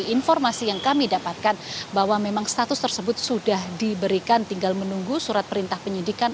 informasi yang kami dapatkan bahwa memang status tersebut sudah diberikan tinggal menunggu surat perintah penyidikan